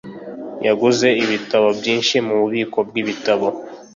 Yaguze ibitabo byinshi mububiko bwibitabo.